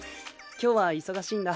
今日は忙しいんだ。